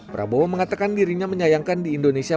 prabowo mengatakan dirinya menyayangkan di indonesia